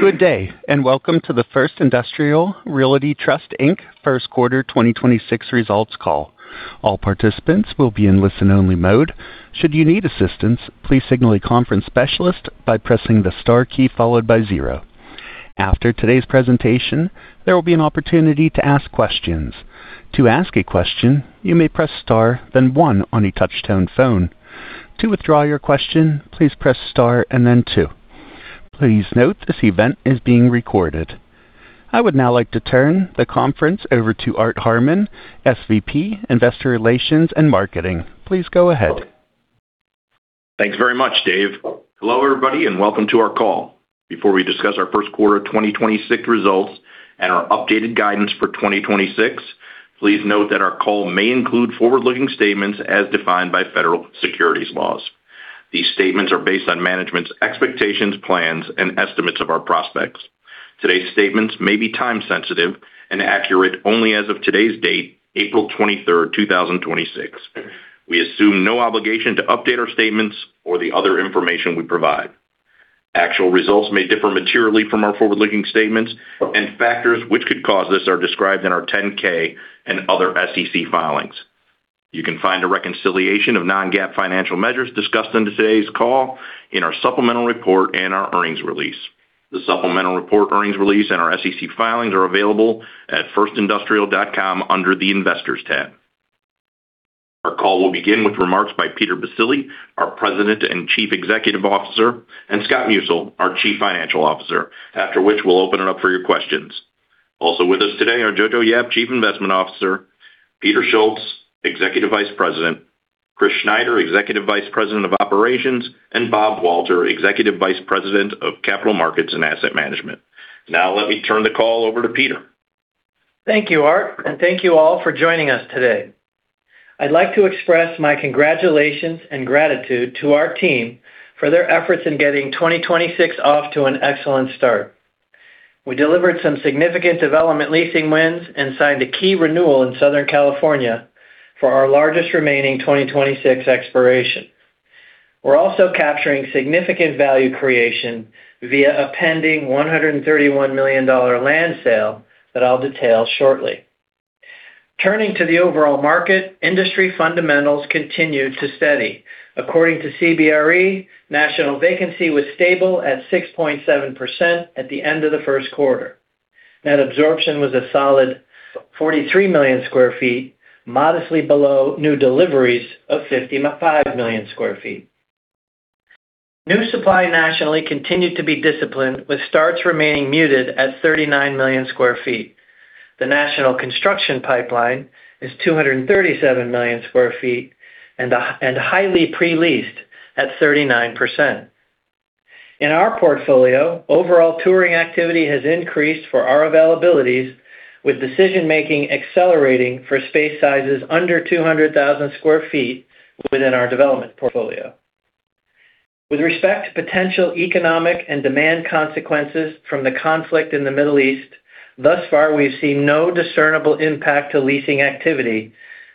Good day, and welcome to the First Industrial Realty Trust, Inc. first quarter 2026 results call. All participants will be in listen-only mode. Should you need assistance, please signal a conference specialist by pressing the star key followed by zero. After today's presentation, there will be an opportunity to ask questions. To ask a question, you may press star, then one on a touch-tone phone. To withdraw your question, please press star and then two. Please note this event is being recorded. I would now like to turn the conference over to Art Harmon, SVP, Investor Relations and Marketing. Please go ahead. Thanks very much, Dave. Hello, everybody, and welcome to our call. Before we discuss our first quarter 2026 results and our updated guidance for 2026, please note that our call may include forward-looking statements as defined by federal securities laws. These statements are based on management's expectations, plans, and estimates of our prospects. Today's statements may be time sensitive and accurate only as of today's date, April 23rd, 2026. We assume no obligation to update our statements or the other information we provide. Actual results may differ materially from our forward-looking statements, and factors which could cause this are described in our 10-K and other SEC filings. You can find a reconciliation of non-GAAP financial measures discussed in today's call in our supplemental report and our earnings release. The supplemental report, earnings release, and our SEC filings are available at firstindustrial.com under the Investors tab. Our call will begin with remarks by Peter Baccile, our President and Chief Executive Officer, and Scott Musil, our Chief Financial Officer, after which we'll open it up for your questions. Also with us today are Jojo Yap, Chief Investment Officer, Peter Schultz, Executive Vice President, Christopher Schneider, Executive Vice President of Operations, and Bob Walter, Executive Vice President of Capital Markets and Asset Management. Now let me turn the call over to Peter. Thank you, Art, and thank you all for joining us today. I'd like to express my congratulations and gratitude to our team for their efforts in getting 2026 off to an excellent start. We delivered some significant development leasing wins and signed a key renewal in Southern California for our largest remaining 2026 expiration. We're also capturing significant value creation via a pending $131 million land sale that I'll detail shortly. Turning to the overall market, industry fundamentals continued to steady. According to CBRE, national vacancy was stable at 6.7% at the end of the first quarter. Net absorption was a solid 43,000,000 sq ft, modestly below new deliveries of 55,000,000 sq ft. New supply nationally continued to be disciplined, with starts remaining muted at 39,000,000 sq ft. The national construction pipeline is 237,000,000 sq ft and highly pre-leased at 39%. In our portfolio, overall touring activity has increased for our availabilities, with decision-making accelerating for space sizes under 200,000 sq ft within our development portfolio. With respect to potential economic and demand consequences from the conflict in the Middle East, thus far, we've seen no discernible impact to leasing activity,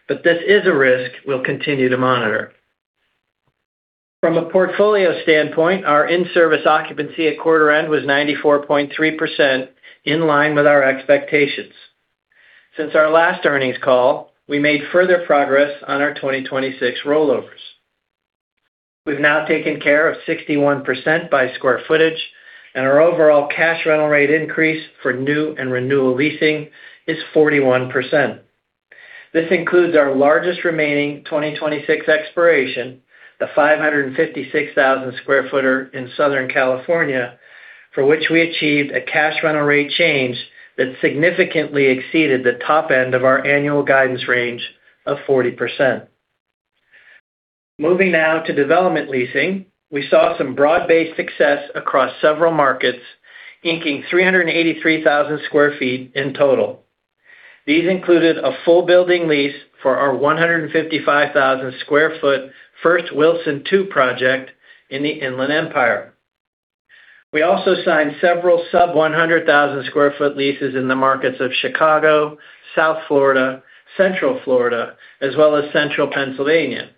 but this is a risk we'll continue to monitor. From a portfolio standpoint, our in-service occupancy at quarter end was 94.3%, in line with our expectations. Since our last earnings call, we made further progress on our 2026 rollovers. We've now taken care of 61% by square footage, and our overall cash rental rate increase for new and renewal leasing is 41%. This includes our largest remaining 2026 expiration, the 556,000 sq ft building in Southern California, for which we achieved a cash rental rate change that significantly exceeded the top end of our annual guidance range of 40%. Moving now to development leasing. We saw some broad-based success across several markets, inking 383,000 sq ft in total. These included a full building lease for our 155,000 sq ft First Wilson II project in the Inland Empire. We also signed several sub-100,000 sq ft leases in the markets of Chicago, South Florida, Central Florida, as well as Central Pennsylvania.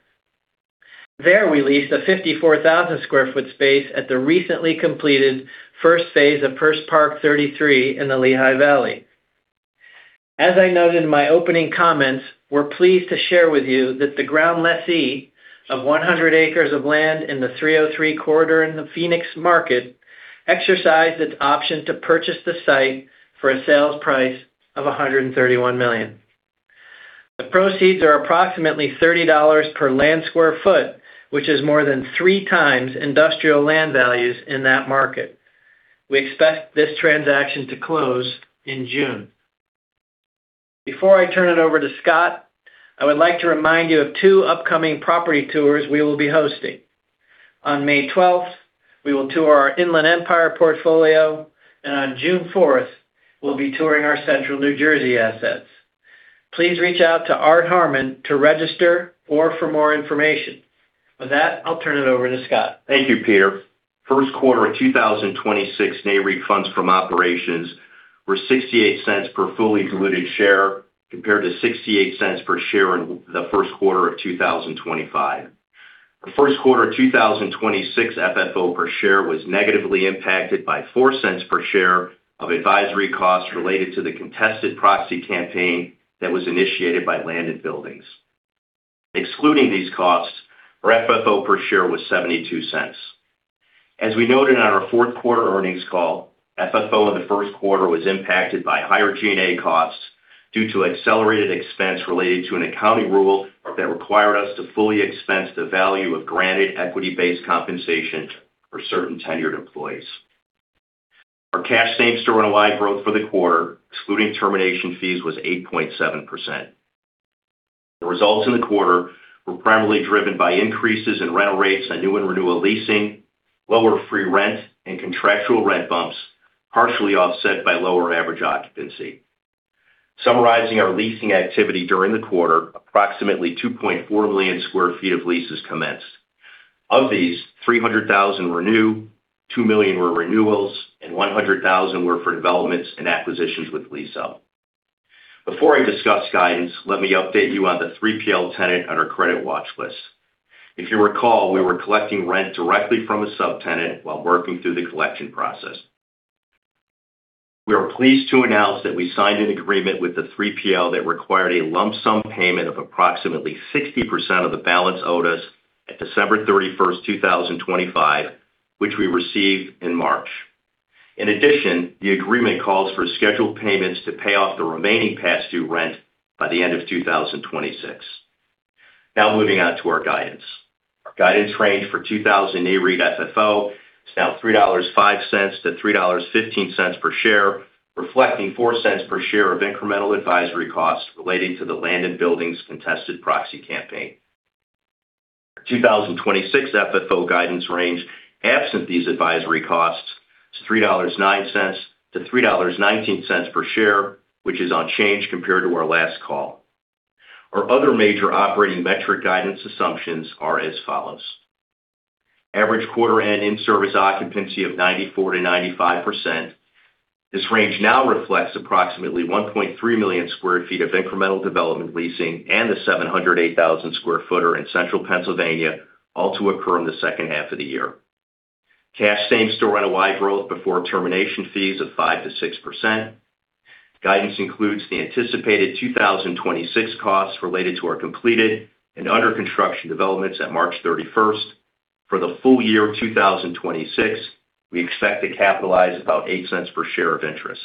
There, we leased a 54,000 sq ft space at the recently completed first phase of First Park 33 in the Lehigh Valley. As I noted in my opening comments, we're pleased to share with you that the ground lessee of 100 acres of land in the 303 corridor in the Phoenix market exercised its option to purchase the site for a sales price of $131 million. The proceeds are approximately $30 per land square foot, which is more than three times industrial land values in that market. We expect this transaction to close in June. Before I turn it over to Scott, I would like to remind you of two upcoming property tours we will be hosting. On May 12th, we will tour our Inland Empire portfolio, and on June 4th, we'll be touring our Central New Jersey assets. Please reach out to Art Harmon to register or for more information. With that, I'll turn it over to Scott. Thank you, Peter. First quarter of 2026 Nareit funds from operations were $0.68 per fully diluted share, compared to $0.68 per share in the first quarter of 2025. The first quarter of 2026 FFO per share was negatively impacted by $0.04 per share of advisory costs related to the contested proxy campaign that was initiated by Land & Buildings. Excluding these costs, our FFO per share was $0.72. As we noted on our fourth quarter earnings call, FFO in the first quarter was impacted by higher G&A costs due to accelerated expense related to an accounting rule that required us to fully expense the value of granted equity-based compensation for certain tenured employees. Our cash same-store NOI growth for the quarter, excluding termination fees, was 8.7%. The results in the quarter were primarily driven by increases in rental rates on new and renewal leasing, lower free rent, and contractual rent bumps, partially offset by lower average occupancy. Summarizing our leasing activity during the quarter, approximately 2.4 million square feet of leases commenced. Of these, 300,000 were new, 2 million were renewals, and 100,000 were for developments and acquisitions with lease up. Before I discuss guidance, let me update you on the 3PL tenant on our credit watch list. If you recall, we were collecting rent directly from a subtenant while working through the collection process. We are pleased to announce that we signed an agreement with the 3PL that required a lump sum payment of approximately 60% of the balance owed us at December 31st, 2025, which we received in March. In addition, the agreement calls for scheduled payments to pay off the remaining past due rent by the end of 2026. Now, moving on to our guidance. Our guidance range for 2024 Nareit FFO is now $3.05-$3.15 per share, reflecting $0.04 per share of incremental advisory costs relating to the Land & Buildings contested proxy campaign. 2026 FFO guidance range, absent these advisory costs, is $3.09-$3.19 per share, which is unchanged compared to our last call. Our other major operating metric guidance assumptions are as follows. Average quarter-end in-service occupancy of 94%-95%. This range now reflects approximately 1.3 million square feet of incremental development leasing and the 708,000 sq ft in central Pennsylvania, all to occur in the second half of the year. Cash same-store NOI growth before termination fees of 5%-6%. Guidance includes the anticipated 2026 costs related to our completed and under-construction developments at March 31st. For the full year of 2026, we expect to capitalize about $0.08 per share of interest.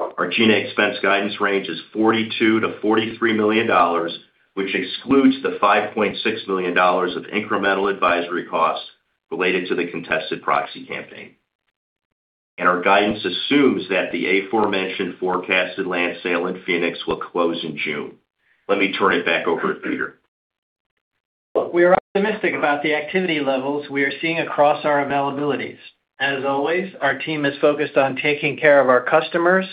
Our G&A expense guidance range is $42-$43 million, which excludes the $5.6 million of incremental advisory costs related to the contested proxy campaign. Our guidance assumes that the aforementioned forecasted land sale in Phoenix will close in June. Let me turn it back over to Peter. We are optimistic about the activity levels we are seeing across our availabilities. As always, our team is focused on taking care of our customers,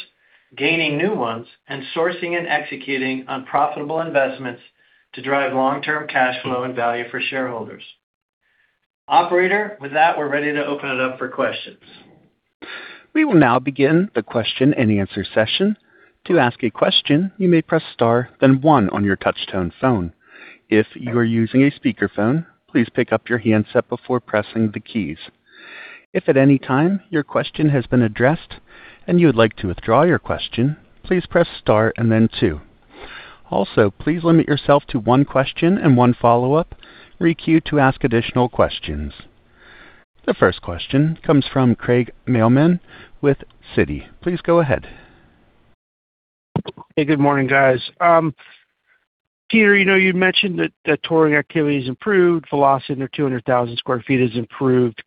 gaining new ones, and sourcing and executing on profitable investments to drive long-term cash flow and value for shareholders. Operator, with that, we're ready to open it up for questions. We will now begin the question-and-answer session. To ask a question, you may press star, then one on your touch tone phone. If you are using a speakerphone, please pick up your handset before pressing the keys. If at any time your question has been addressed and you would like to withdraw your question, please press star and then two. Also, please limit yourself to one question and one follow-up. Requeue to ask additional questions. The first question comes from Craig Mailman with Citi. Please go ahead. Hey, good morning, guys. Peter, you mentioned that touring activity has improved. Velocity in their 200,000 sq ft has improved.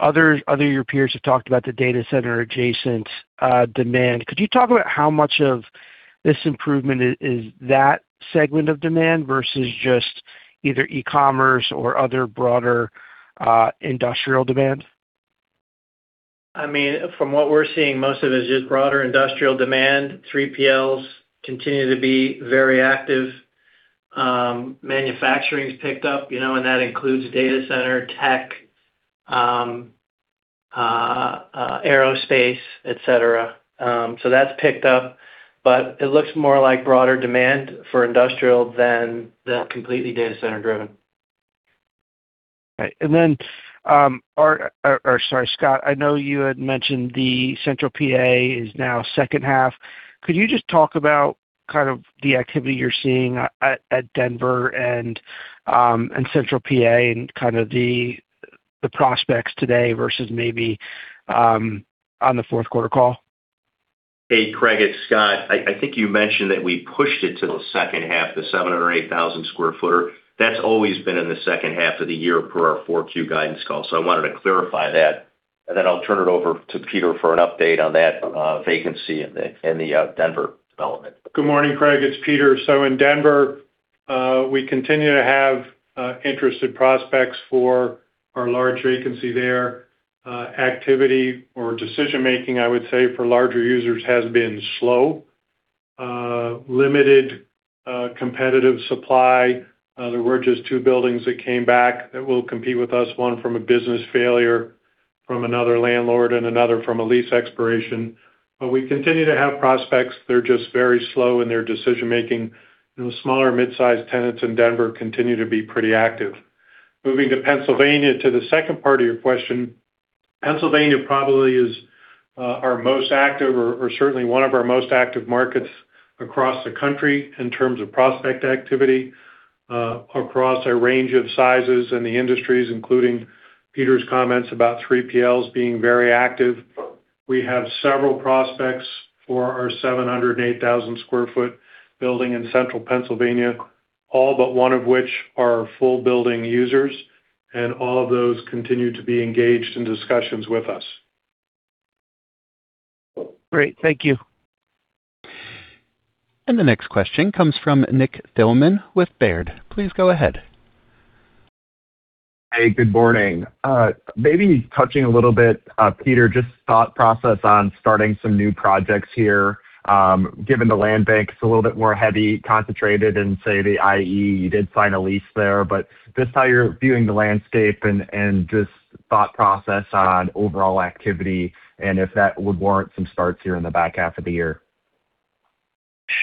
Other of your peers have talked about the data center adjacent demand. Could you talk about how much of this improvement is that segment of demand versus just either e-commerce or other broader industrial demand? From what we're seeing, most of it is just broader industrial demand. 3PLs continue to be very active. Manufacturing's picked up, and that includes data center, tech, aerospace, etc. That's picked up, but it looks more like broader demand for industrial than completely data center driven. Right. Scott, I know you had mentioned the Central Pa. is now second half. Could you just talk about kind of the activity you're seeing at Denver and Central Pa. and kind of the prospects today versus maybe on the fourth quarter call? Hey, Craig, it's Scott. I think you mentioned that we pushed it to the second half, the 708,000 sq ft. That's always been in the second half of the year per our Q4 guidance call. I wanted to clarify that, and then I'll turn it over to Peter for an update on that vacancy in the Denver development. Good morning, Craig. It's Peter. In Denver, we continue to have interested prospects for our large vacancy there. Activity or decision making for larger users has been slow with limited competitive supply. There were just two buildings that came back that will compete with us, one from a business failure from another landlord and another from a lease expiration. We continue to have prospects, they're just very slow in their decision-making. The smaller mid-size tenants in Denver continue to be pretty active. Moving to Pennsylvania, to the second part of your question. Pennsylvania probably is our most active, or certainly one of our most active markets across the country in terms of prospect activity, across a range of sizes and the industries, including Peter's comments about 3PLs being very active. We have several prospects for our 708,000 sq ft building in Central Pennsylvania, all but one of which are full building users, and all of those continue to be engaged in discussions with us. Great, thank you. The next question comes from Nick Thillman with Baird. Please go ahead. Hey, good morning. Maybe touching a little bit, Peter, just thought process on starting some new projects here, given the land bank's a little bit more heavily concentrated in, say, the IE, you did sign a lease there, but just how you're viewing the landscape and just thought process on overall activity and if that would warrant some starts here in the back half of the year.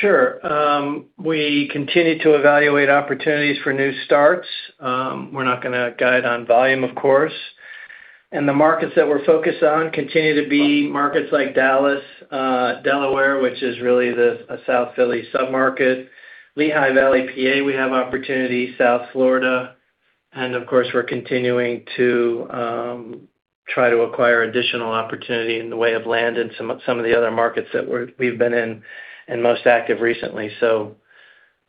Sure. We continue to evaluate opportunities for new starts. We're not going to guide on volume, of course. The markets that we're focused on continue to be markets like Dallas, Delaware, which is really a South Philly sub-market, Lehigh Valley, PA. We have opportunities, South Florida, and of course, we're continuing to try to acquire additional opportunity in the way of land in some of the other markets that we've been in and most active recently. Those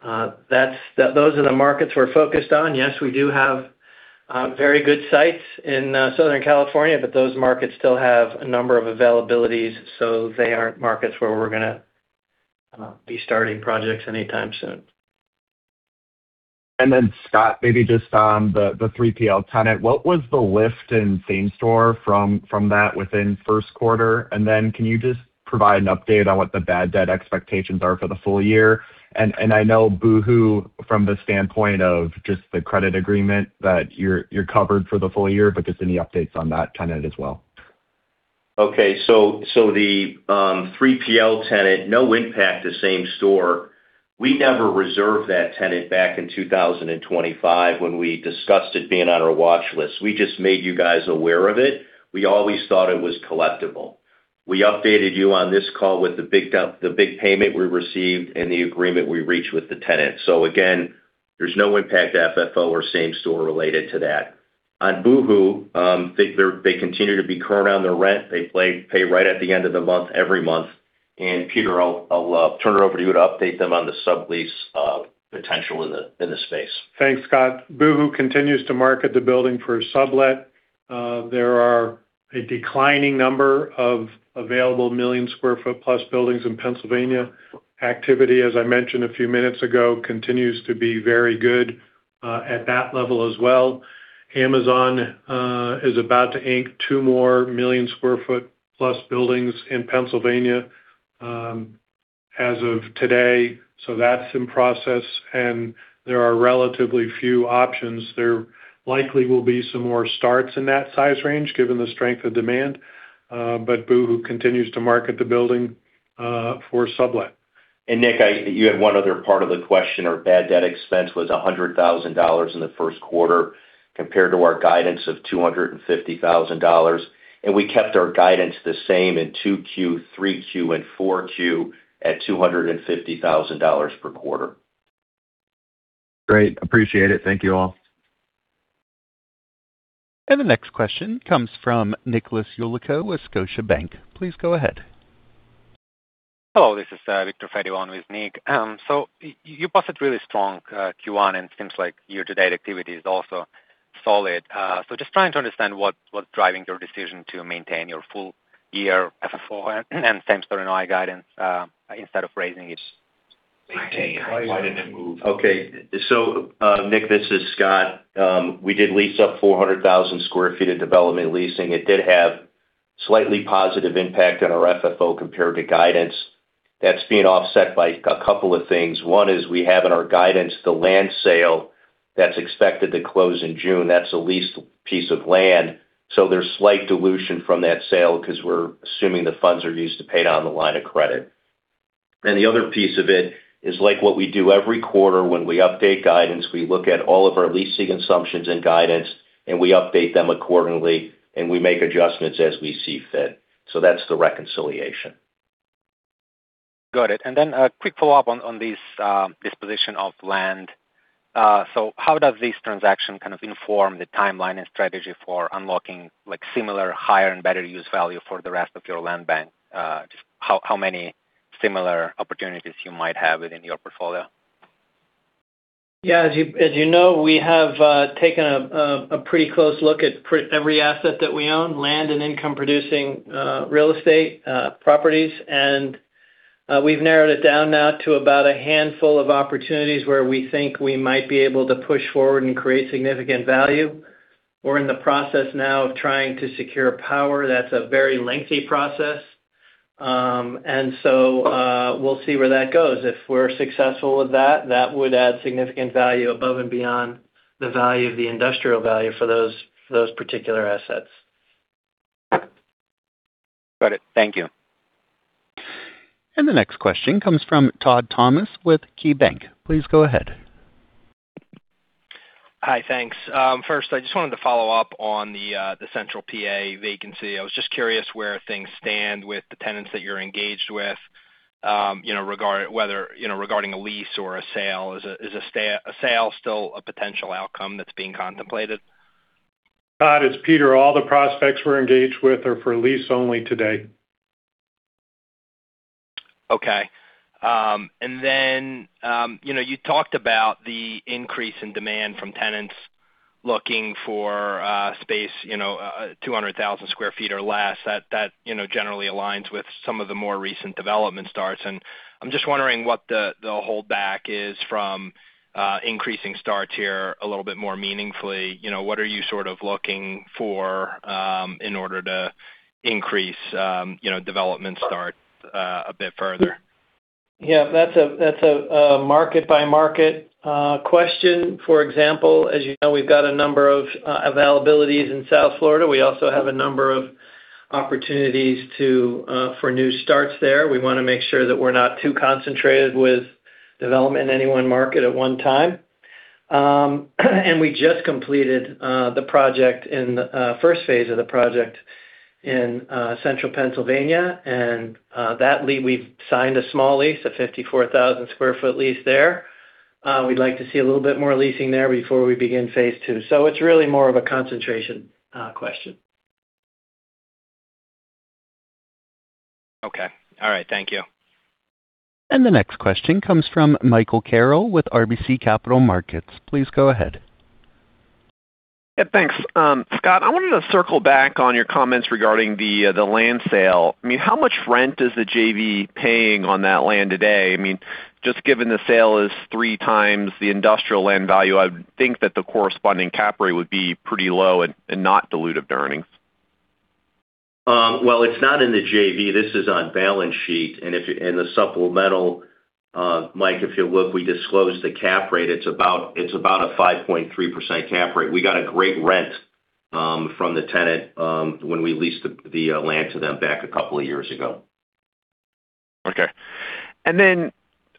are the markets we're focused on. Yes, we do have very good sites in Southern California, but those markets still have a number of availabilities, so they aren't markets where we're going to be starting projects anytime soon. Scott, maybe just on the 3PL tenant, what was the lift in same store from that within first quarter? Can you just provide an update on what the bad debt expectations are for the full year? I know Boohoo, from the standpoint of just the credit agreement, that you're covered for the full year, but just any updates on that tenant as well. Okay. The 3PL tenant, no impact to same store. We never reserved that tenant back in 2025 when we discussed it being on our watch list. We just made you guys aware of it. We always thought it was collectible. We updated you on this call with the big payment we received and the agreement we reached with the tenant. Again, there's no impact to FFO or same store related to that. On Boohoo, they continue to be current on their rent. They pay right at the end of the month every month. Peter, I'll turn it over to you to update them on the sublease potential in the space. Thanks, Scott. Boohoo continues to market the building for a sublet. There are a declining number of available a million square foot plus buildings in Pennsylvania. Activity, as I mentioned a few minutes ago, continues to be very good at that level as well. Amazon is about to ink two more million square foot plus buildings in Pennsylvania as of today, so that's in process, and there are relatively few options. There likely will be some more starts in that size range given the strength of demand. Boohoo continues to market the building for a sublet. Nick, you had one other part of the question. Our bad debt expense was $100,000 in the first quarter compared to our guidance of $250,000. We kept our guidance the same in 2Q, 3Q, and 4Q at $250,000 per quarter. Great. Appreciate it. Thank you all. The next question comes from Nicholas Yulico with Scotiabank. Please go ahead. Hello, this is Viktor Fediv on with Nick. You posted really strong Q1, and it seems like year-to-date activity is also solid. Just trying to understand what's driving your decision to maintain your full year FFO and same store NOI guidance instead of raising it. Maintain. Why did it move? Okay. Nick, this is Scott. We did lease up 400,000 sq ft of development leasing. It did have slightly positive impact on our FFO compared to guidance. That's being offset by a couple of things. One is we have in our guidance the land sale that's expected to close in June. That's a leased piece of land. There's slight dilution from that sale because we're assuming the funds are used to pay down the line of credit. The other piece of it is like what we do every quarter when we update guidance, we look at all of our leasing assumptions and guidance, and we make adjustments as we see fit. That's the reconciliation. Got it. A quick follow-up on this disposition of land. How does this transaction kind of inform the timeline and strategy for unlocking similar higher and better use value for the rest of your land bank? Just how many similar opportunities you might have within your portfolio? Yeah. As you know, we have taken a pretty close look at every asset that we own, land and income-producing real estate properties. We've narrowed it down now to about a handful of opportunities where we think we might be able to push forward and create significant value. We're in the process now of trying to secure power. That's a very lengthy process. We'll see where that goes. If we're successful with that would add significant value above and beyond the value of the industrial value for those particular assets. Got it. Thank you. The next question comes from Todd Thomas with KeyBanc. Please go ahead. Hi. Thanks. First, I just wanted to follow up on the Central PA vacancy. I was just curious where things stand with the tenants that you're engaged with regarding a lease or a sale. Is a sale still a potential outcome that's being contemplated? Todd, it's Peter. All the prospects we're engaged with are for lease only today. Okay. You talked about the increase in demand from tenants looking for space 200,000 sq ft or less. That generally aligns with some of the more recent development starts. I'm just wondering what the holdback is from increasing starts here a little bit more meaningfully. What are you sort of looking for in order to increase development starts a bit further? Yeah, that's a market-by-market question. For example, as you know, we've got a number of availabilities in South Florida. We also have a number of opportunities for new starts there. We want to make sure that we're not too concentrated with development in any one market at one time. We just completed the first phase of the project in Central Pennsylvania. That led, we've signed a small lease, a 54,000 sq ft lease there. We'd like to see a little bit more leasing there before we begin phase II. It's really more of a concentration question. Okay. All right. Thank you. The next question comes from Michael Carroll with RBC Capital Markets. Please go ahead. Yeah, thanks. Scott, I wanted to circle back on your comments regarding the land sale. How much rent is the JV paying on that land today? Just given the sale is three times the industrial land value, I would think that the corresponding cap rate would be pretty low and not dilutive to earnings. Well, it's not in the JV. This is on balance sheet. In the supplemental, Mike, if you look, we disclosed the cap rate. It's about a 5.3% cap rate. We got a great rent from the tenant when we leased the land to them back a couple of years ago. Okay.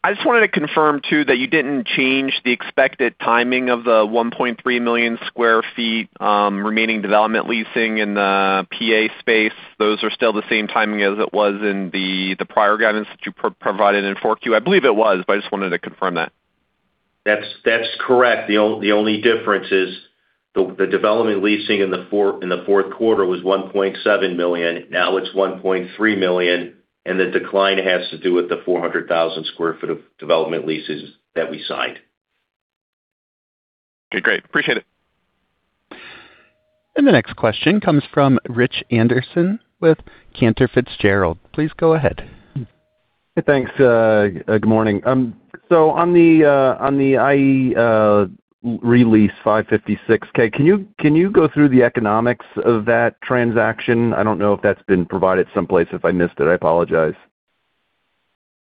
I just wanted to confirm too, that you didn't change the expected timing of the 1.3 million square feet remaining development leasing in the PA space. Those are still the same timing as it was in the prior guidance that you provided in 4Q. I believe it was, but I just wanted to confirm that. That's correct. The only difference is the development leasing in the fourth quarter was 1.7 million, now it's 1.3 million, and the decline has to do with the 400,000 sq ft of development leases that we signed. Okay, great. Appreciate it. The next question comes from Rich Anderson with Cantor Fitzgerald. Please go ahead. Thanks. Good morning. On the IE re-lease, 556K, can you go through the economics of that transaction? I don't know if that's been provided someplace. If I missed it, I apologize.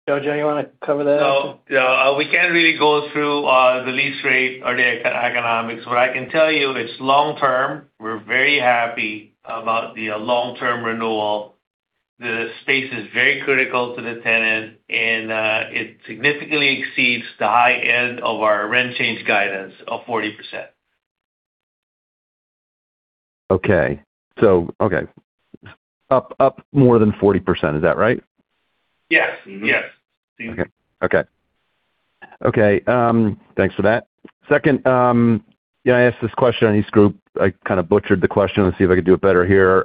Jojo, you want to cover that? No. We can't really go through the lease rate or the economics. What I can tell you, it's long-term. We're very happy about the long-term renewal. The space is very critical to the tenant, and it significantly exceeds the high end of our rent change guidance of 40%. Okay. Up more than 40%, is that right? Yes. Mm-hmm. Yes. Okay. Thanks for that. Second, yeah, I ask this question on each group. I kind of butchered the question. Let's see if I can do it better here.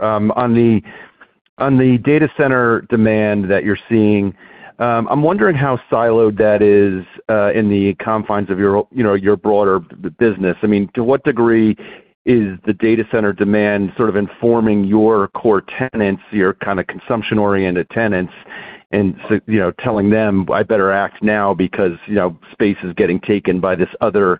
On the data center demand that you're seeing, I'm wondering how siloed that is in the confines of your broader business. To what degree is the data center demand sort of informing your core tenants, your kind of consumption-oriented tenants, and telling them, "I better act now because space is getting taken by this other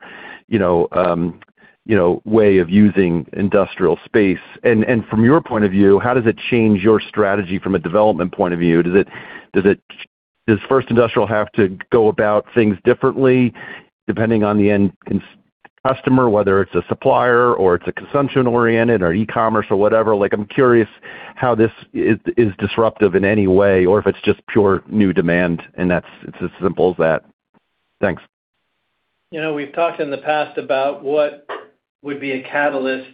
way of using industrial space." From your point of view, how does it change your strategy from a development point of view? Does First Industrial have to go about things differently depending on the end customer, whether it's a supplier or it's a consumption oriented or e-commerce or whatever? I'm curious how this is disruptive in any way or if it's just pure new demand and it's as simple as that. Thanks. We've talked in the past about what would be a catalyst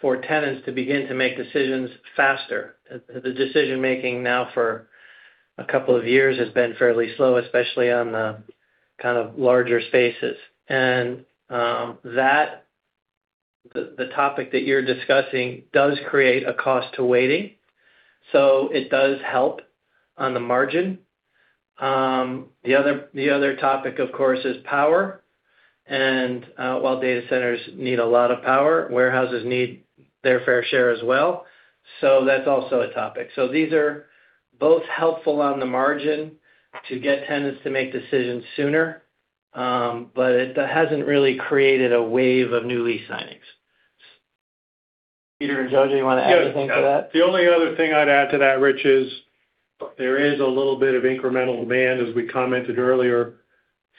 for tenants to begin to make decisions faster. The decision-making now for a couple of years has been fairly slow, especially on the kind of larger spaces. The topic that you're discussing does create a cost to waiting. It does help on the margin. The other topic, of course, is power. While data centers need a lot of power, warehouses need their fair share as well. That's also a topic. These are both helpful on the margin to get tenants to make decisions sooner. It hasn't really created a wave of new lease signings. Peter and Jojo, you want to add anything to that? The only other thing I'd add to that, Rich, is there is a little bit of incremental demand, as we commented earlier,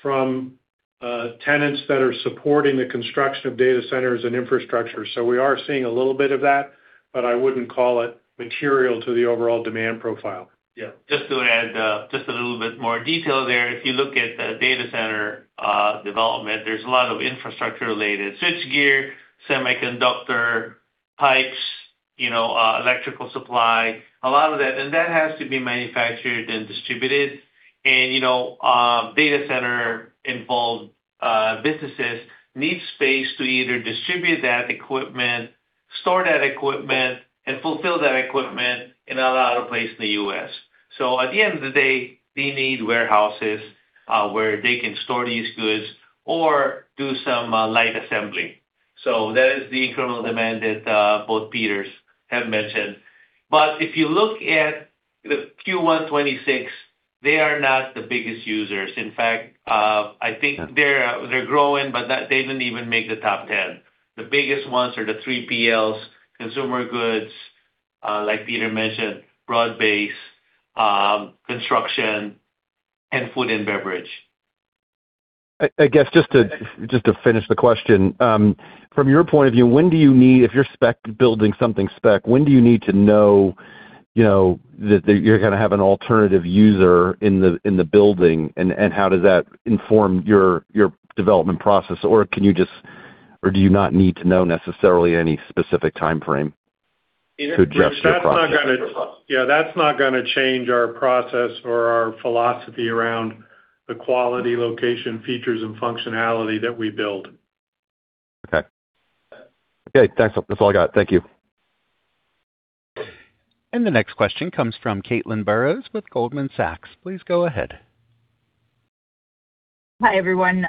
from tenants that are supporting the construction of data centers and infrastructure. We are seeing a little bit of that, but I wouldn't call it material to the overall demand profile. Yeah. Just to add just a little bit more detail there. If you look at data center development, there's a lot of infrastructure related, switchgear, semiconductor, pipes, electrical supply, a lot of that. That has to be manufactured and distributed. Data center involved businesses need space to either distribute that equipment, store that equipment, and fulfill that equipment in a lot of places in the U.S. At the end of the day, they need warehouses, where they can store these goods or do some light assembly. That is the incremental demand that both Peters have mentioned. If you look at the Q1 2026, they are not the biggest users. In fact, I think they're growing, but they didn't even make the top 10. The biggest ones are the 3PLs, consumer goods, like Peter mentioned, broad base, construction, and food and beverage. I guess just to finish the question. From your point of view, if you're building something spec, when do you need to know that you're going to have an alternative user in the building, and how does that inform your development process? Or do you not need to know necessarily any specific timeframe to address that process? Yeah, that's not going to change our process or our philosophy around the quality, location, features, and functionality that we build. Okay. Great. Thanks. That's all I got. Thank you. The next question comes from Caitlin Burrows with Goldman Sachs. Please go ahead. Hi, everyone.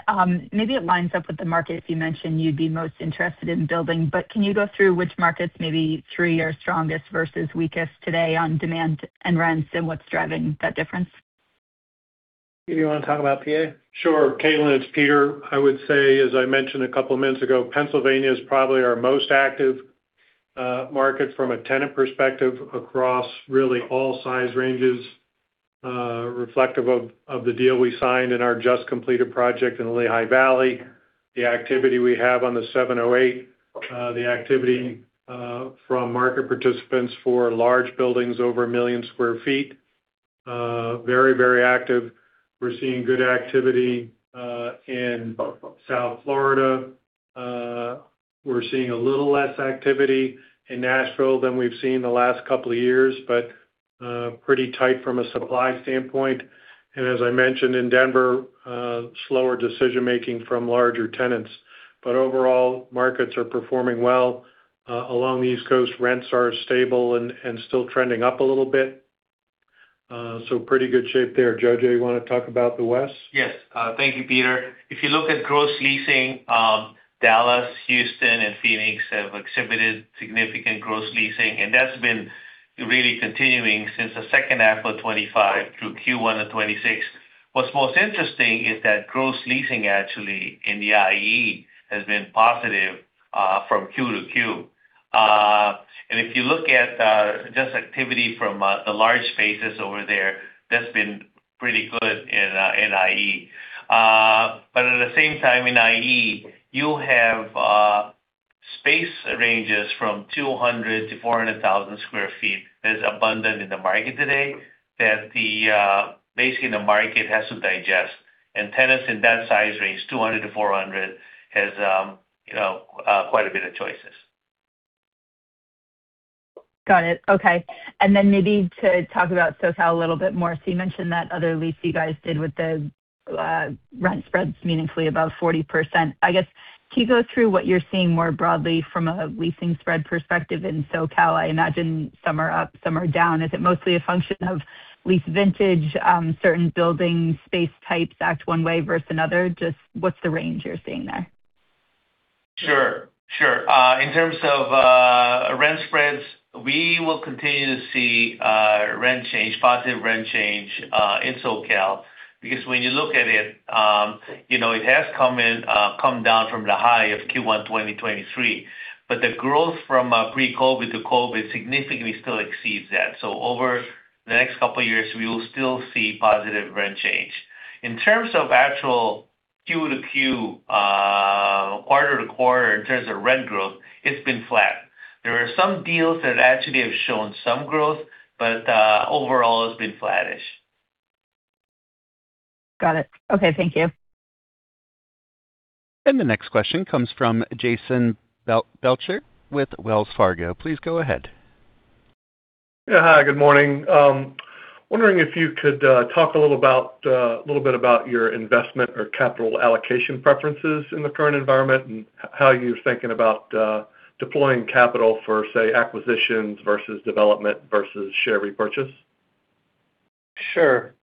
Maybe it lines up with the markets you mentioned you'd be most interested in building. Can you go through which markets maybe three are strongest versus weakest today on demand and rents, and what's driving that difference? Peter, you want to talk about PA? Sure. Caitlin, it's Peter. I would say, as I mentioned a couple of minutes ago, Pennsylvania is probably our most active market from a tenant perspective across really all size ranges, reflective of the deal we signed in our just completed project in Lehigh Valley. The activity we have on the 708, the activity from market participants for large buildings over 1 million square foot, very active. We're seeing good activity in South Florida. We're seeing a little less activity in Nashville than we've seen in the last couple of years, but pretty tight from a supply standpoint. As I mentioned, in Denver, slower decision-making from larger tenants. Overall, markets are performing well. Along the East Coast, rents are stable and still trending up a little bit. Pretty good shape there. Jojo, you want to talk about the West? Yes. Thank you, Peter. If you look at gross leasing, Dallas, Houston, and Phoenix have exhibited significant gross leasing, and that's been really continuing since the second half of 2025 through Q1 of 2026. What's most interesting is that gross leasing actually in the IE has been positive from Q-to-Q. If you look at just activity from the large spaces over there, that's been pretty good in IE. At the same time in IE, you have space ranges from 200,000-400,000 sq ft that is abundant in the market today that basically the market has to digest. Tenants in that size range, 200,000-400,000 sq ft has quite a bit of choices. Got it. Okay. Maybe to talk about SoCal a little bit more. You mentioned that other lease you guys did with the rent spreads meaningfully above 40%. I guess, can you go through what you're seeing more broadly from a leasing spread perspective in SoCal? I imagine some are up, some are down. Is it mostly a function of lease vintage, certain building space types act one way versus another? Just what's the range you're seeing there? Sure. In terms of rent spreads, we will continue to see rent change, positive rent change, in SoCal because when you look at it has come down from the high of Q1 2023, but the growth from pre-COVID to COVID significantly still exceeds that. Over the next couple of years, we will still see positive rent change. In terms of actual Q-to-Q, quarter-to-quarter in terms of rent growth, it's been flat. There are some deals that actually have shown some growth, but overall it's been flattish. Got it. Okay. Thank you. The next question comes from Jason Belcher with Wells Fargo. Please go ahead. Yeah. Hi, good morning. Wondering if you could talk a little bit about your investment or capital allocation preferences in the current environment and how you're thinking about deploying capital for, say, acquisitions versus development versus share repurchase? Sure.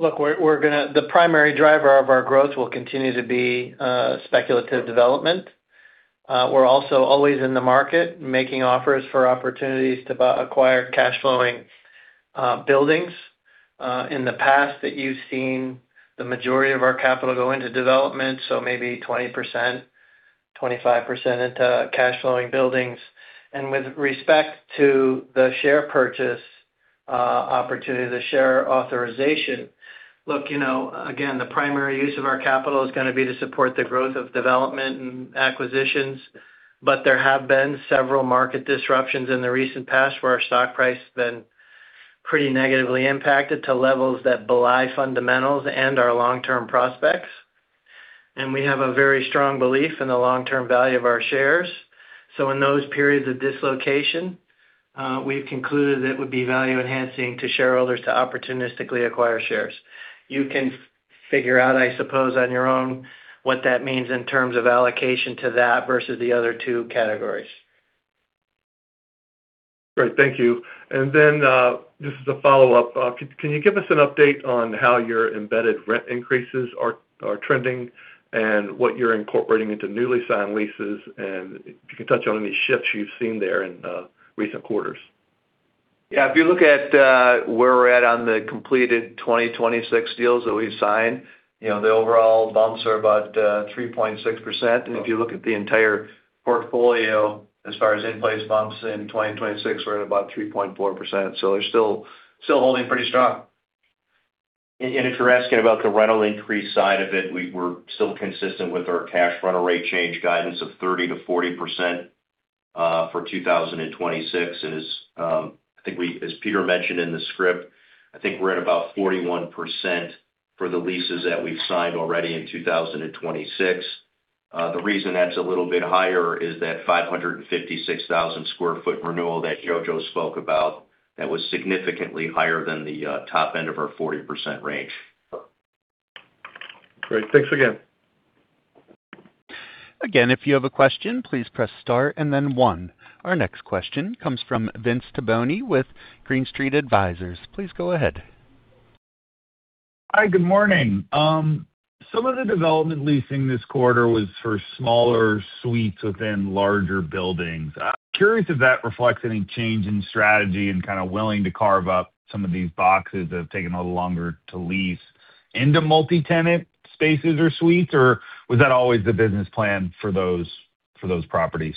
Look, the primary driver of our growth will continue to be speculative development. We're also always in the market making offers for opportunities to acquire cash flowing Buildings. In the past that you've seen the majority of our capital go into development, so maybe 20%, 25% into cash flowing buildings. With respect to the share purchase opportunity, the share authorization. Look, again, the primary use of our capital is going to be to support the growth of development and acquisitions. There have been several market disruptions in the recent past where our stock price has been pretty negatively impacted to levels that belie fundamentals and our long-term prospects. We have a very strong belief in the long-term value of our shares. In those periods of dislocation, we've concluded that it would be value enhancing to shareholders to opportunistically acquire shares. You can figure out, I suppose, on your own, what that means in terms of allocation to that versus the other two categories. Great. Thank you. Just a follow-up. Can you give us an update on how your embedded rent increases are trending and what you're incorporating into newly signed leases? If you can touch on any shifts you've seen there in recent quarters. Yeah. If you look at where we're at on the completed 2026 deals that we've signed, the overall bumps are about 3.6%. If you look at the entire portfolio as far as in-place bumps in 2026, we're at about 3.4%. They're still holding pretty strong. If you're asking about the rental increase side of it, we're still consistent with our cash rental rate change guidance of 30%-40% for 2026. I think as Peter mentioned in the script, I think we're at about 41% for the leases that we've signed already in 2026. The reason that's a little bit higher is that 556,000 sq ft renewal that Jojo spoke about that was significantly higher than the top end of our 40% range. Great. Thanks again. Again, if you have a question, please press star and then one. Our next question comes from Vince Tibone with Green Street Advisors. Please go ahead. Hi. Good morning. Some of the development leasing this quarter was for smaller suites within larger buildings. I'm curious if that reflects any change in strategy and kind of willing to carve up some of these boxes that have taken a little longer to lease into multi-tenant spaces or suites, or was that always the business plan for those properties?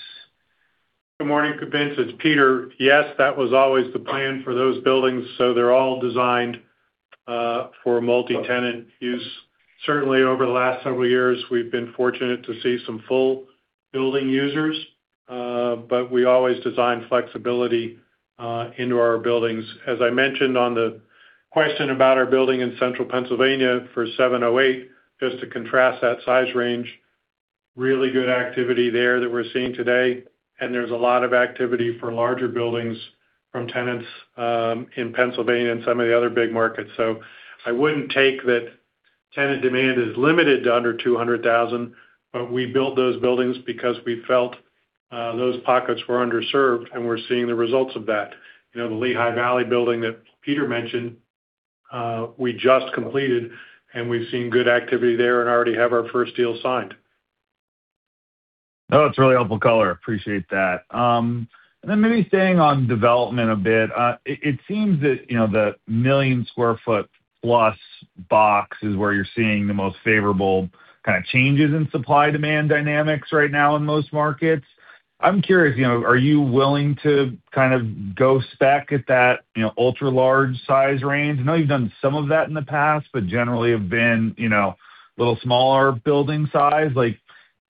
Good morning, Vince. It's Peter. Yes, that was always the plan for those buildings. They're all designed for multi-tenant use. Certainly, over the last several years, we've been fortunate to see some full building users. We always design flexibility into our buildings. As I mentioned on the question about our building in central Pennsylvania for 708, just to contrast that size range, really good activity there that we're seeing today, and there's a lot of activity for larger buildings from tenants in Pennsylvania and some of the other big markets. I wouldn't take that tenant demand is limited to under 200,000, but we built those buildings because we felt those pockets were underserved, and we're seeing the results of that. The Lehigh Valley building that Peter mentioned, we just completed, and we've seen good activity there and already have our first deal signed. Oh, that's really helpful color. Appreciate that. Maybe staying on development a bit. It seems that the million square foot [was] box is where you're seeing the most favorable kind of changes in supply-demand dynamics right now in most markets. I'm curious, are you willing to kind of go spec at that ultra large size range? I know you've done some of that in the past, but generally have been a little smaller building size.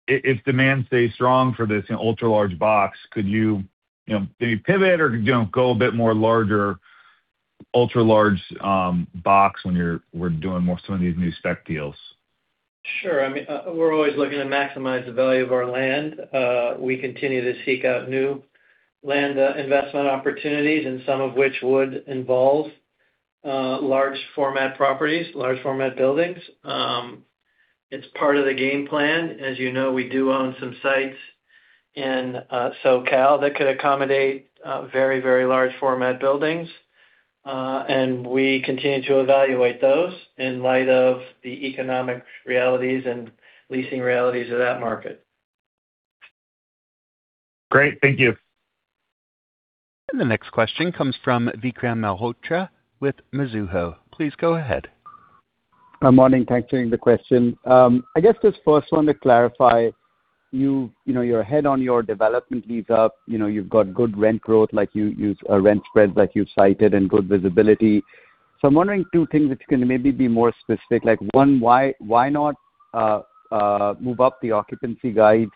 If demand stays strong for this ultra large box, could you pivot or go a bit more larger, ultra large box when we're doing some of these new spec deals? Sure. We're always looking to maximize the value of our land. We continue to seek out new land investment opportunities, and some of which would involve large format properties, large format buildings. It's part of the game plan. As you know, we do own some sites in SoCal that could accommodate very large format buildings. We continue to evaluate those in light of the economic realities and leasing realities of that market. Great. Thank you. The next question comes from Vikram Malhotra with Mizuho. Please go ahead. Morning. Thanks for taking the question. I guess just first wanted to clarify, you're ahead on your development lease up. You've got good rent growth like you used a rent spread like you cited and good visibility. I'm wondering two things, if you can maybe be more specific. One, why not move up the occupancy guide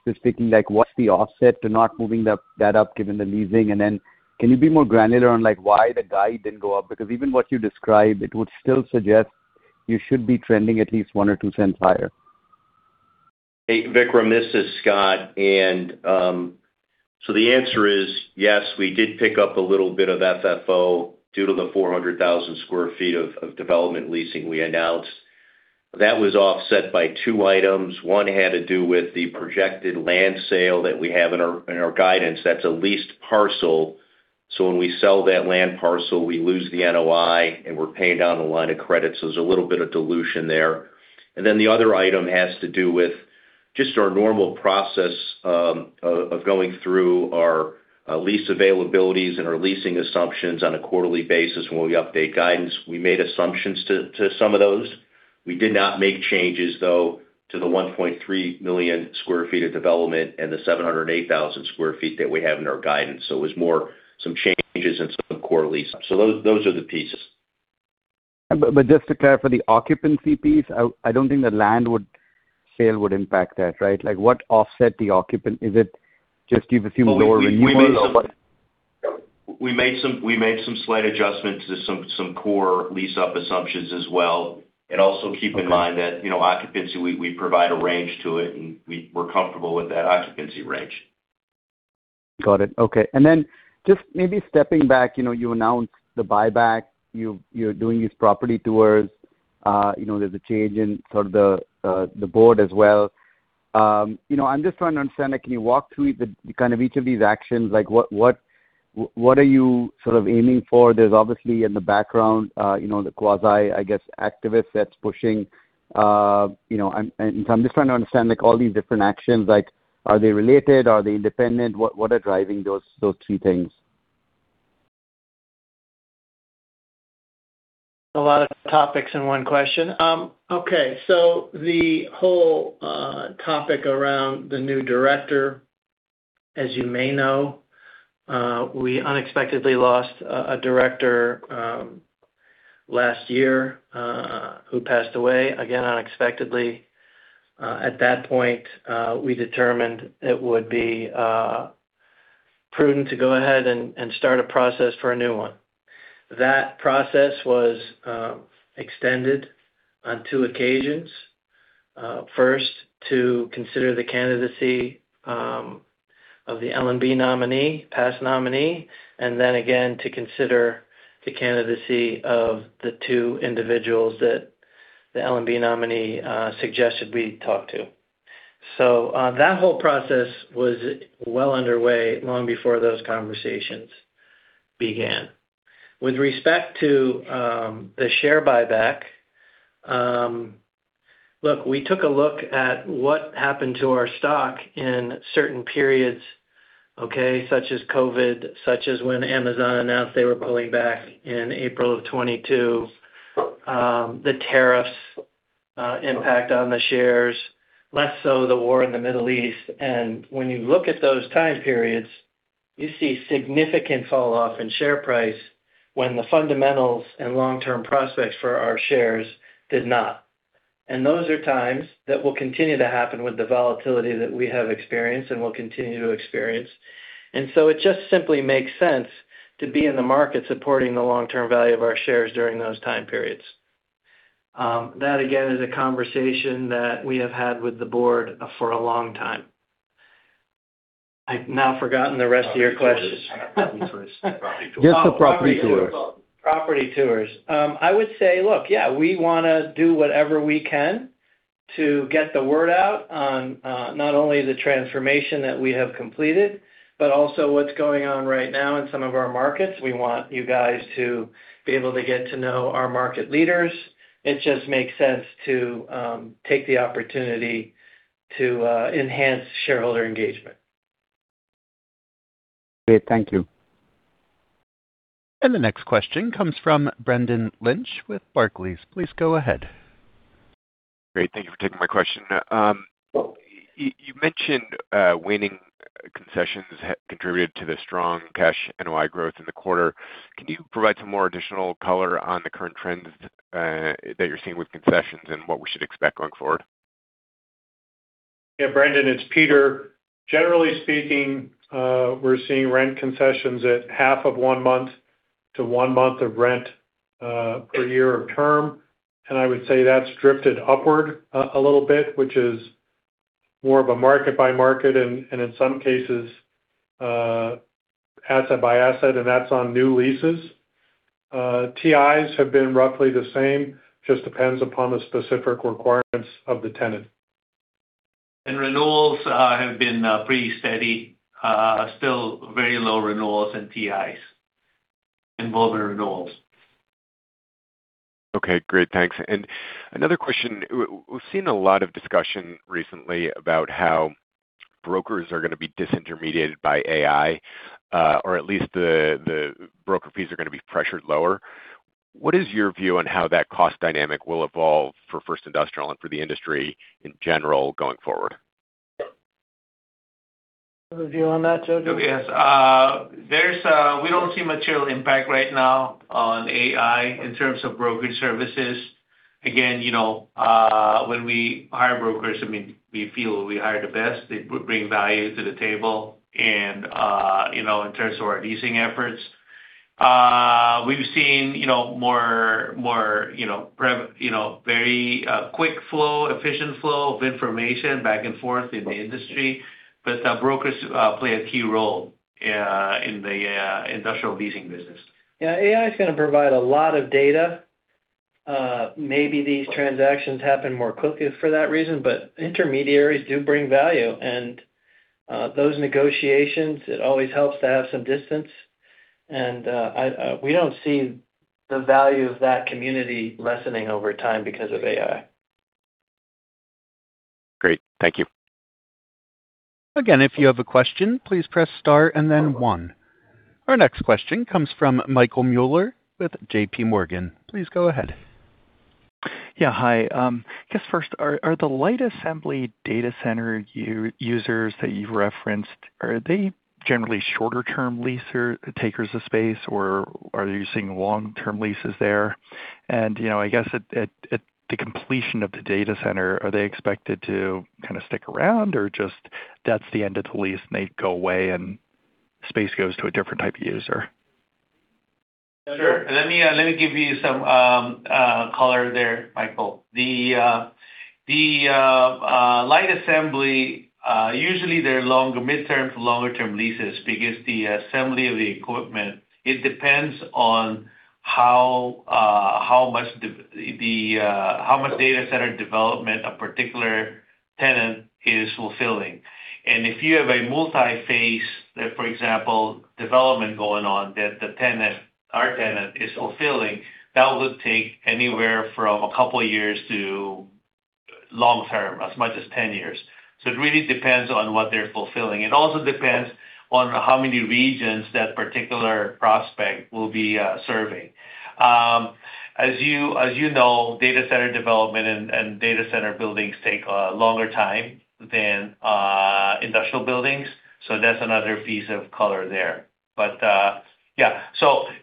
specifically? What's the offset to not moving that up given the leasing? Then can you be more granular on why the guide didn't go up? Because even what you described, it would still suggest you should be trending at least $0.01 or $0.02 higher. Hey, Vikram, this is Scott. The answer is yes, we did pick up a little bit of FFO due to the 400,000 sq ft of development leasing we announced. That was offset by two items. One had to do with the projected land sale that we have in our guidance. That's a leased parcel. When we sell that land parcel, we lose the NOI, and we're paying down the line of credit. There's a little bit of dilution there. The other item has to do with just our normal process of going through our lease availabilities and our leasing assumptions on a quarterly basis when we update guidance. We made adjustments to some of those. We did not make changes though, to the 1.3 million square feet of development and the 708,000 sq ft that we have in our guidance. It was more, some changes in some of the core leases. Those are the pieces. just to clarify, the occupancy piece, I don't think the land sale would impact that, right? Like what offset the occupancy? Is it just you've assumed lower renewals? We made some slight adjustments to some core lease-up assumptions as well. Keep in mind that, occupancy, we provide a range to it, and we're comfortable with that occupancy range. Got it. Okay. Just maybe stepping back, you announced the buyback. You're doing these property tours. There's a change in sort of the board as well. I'm just trying to understand, can you walk through kind of each of these actions? What are you sort of aiming for? There's obviously in the background, the quasi, I guess, activist that's pushing. I'm just trying to understand all these different actions, are they related? Are they independent? What are driving those two things? A lot of topics in one question. Okay. The whole topic around the new director, as you may know, we unexpectedly lost a director last year who passed away, again, unexpectedly. At that point, we determined it would be prudent to go ahead and start a process for a new one. That process was extended on two occasions. First, to consider the candidacy of the Land & Buildings nominee, past nominee, and then again, to consider the candidacy of the two individuals that the Land & Buildings nominee suggested we talk to. That whole process was well underway long before those conversations began. With respect to the share buyback, look, we took a look at what happened to our stock in certain periods. Okay. Such as COVID, such as when Amazon announced they were pulling back in April of 2022. The tariffs impact on the shares, less so the war in the Middle East. When you look at those time periods, you see significant fall off in share price when the fundamentals and long-term prospects for our shares did not. Those are times that will continue to happen with the volatility that we have experienced and will continue to experience. It just simply makes sense to be in the market supporting the long-term value of our shares during those time periods. That again, is a conversation that we have had with the board for a long time. I've now forgotten the rest of your questions. Just the property tours. Property tours. I would say, look, yeah, we want to do whatever we can to get the word out on not only the transformation that we have completed, but also what's going on right now in some of our markets. We want you guys to be able to get to know our market leaders. It just makes sense to take the opportunity to enhance shareholder engagement. Great. Thank you. The next question comes from Brendan Lynch with Barclays. Please go ahead. Great. Thank you for taking my question. You mentioned waning concessions contributed to the strong cash NOI growth in the quarter. Can you provide some more additional color on the current trends that you're seeing with concessions and what we should expect going forward? Yeah, Brendan, it's Peter. Generally speaking, we're seeing rent concessions at half of one month to one month of rent per year of term. I would say that's drifted upward a little bit, which is more of a market by market and in some cases, asset by asset, and that's on new leases. TIs have been roughly the same, just depends upon the specific requirements of the tenant. Renewals have been pretty steady. Still very low renewals and TIs involving renewals. Okay, great. Thanks. Another question. We've seen a lot of discussion recently about how brokers are going to be disintermediated by AI, or at least the broker fees are going to be pressured lower. What is your view on how that cost dynamic will evolve for First Industrial and for the industry in general going forward? Have a view on that, Jojo? Yes. We don't see material impact right now on AI in terms of brokerage services. Again, when we hire brokers, we feel we hire the best. They bring value to the table in terms of our leasing efforts. We've seen very quick flow, efficient flow of information back and forth in the industry, but brokers play a key role in the industrial leasing business. Yeah, AI is going to provide a lot of data. Maybe these transactions happen more quickly for that reason, but intermediaries do bring value. Those negotiations, it always helps to have some distance. We don't see the value of that community lessening over time because of AI. Great. Thank you. Again, if you have a question, please press star and then one. Our next question comes from Michael Mueller with JPMorgan. Please go ahead. Yeah. Hi. I guess first, are the light assembly data center users that you've referenced, are they generally shorter term leasers, takers of space, or are you seeing long-term leases there? I guess at the completion of the data center, are they expected to kind of stick around or just that's the end of the lease and they go away and space goes to a different type of user? Sure. Let me give you some color there, Michael. The light assembly, usually they're midterm to longer term leases because the assembly of the equipment, it depends on how much data center development a particular tenant is fulfilling. If you have a multi-phase, for example, development going on that the tenant, our tenant, is fulfilling, that would take anywhere from a couple years to long-term, as much as 10 years. It really depends on what they're fulfilling. It also depends on how many regions that particular prospect will be serving. As you know, data center development and data center buildings take a longer time than industrial buildings, so that's another piece of color there. But, yeah.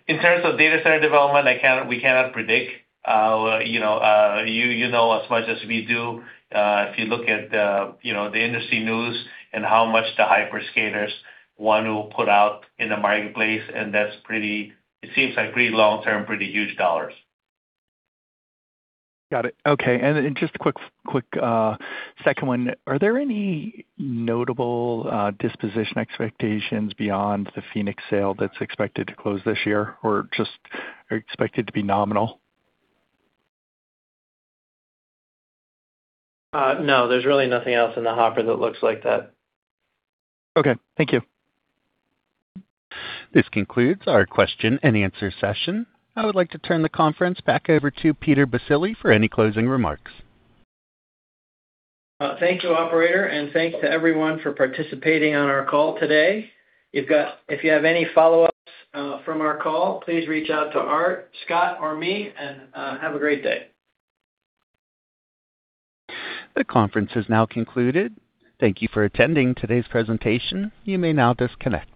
In terms of data center development, we cannot predict. You know as much as we do, if you look at the industry news and how much the hyperscalers want to put out in the marketplace. That's pretty, it seems like pretty long-term, pretty huge dollars. Got it. Okay. Just a quick second one. Are there any notable disposition expectations beyond the Phoenix sale that's expected to close this year? Or just are expected to be nominal? No, there's really nothing else in the hopper that looks like that. Okay, thank you. This concludes our question-and-answer session. I would like to turn the conference back over to Peter Baccile for any closing remarks. Thank you, operator, and thanks to everyone for participating on our call today. If you have any follow-ups from our call, please reach out to Art, Scott, or me, and have a great day. The conference is now concluded. Thank you for attending today's presentation. You may now disconnect.